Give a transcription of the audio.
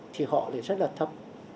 thì họ lại rất là thấp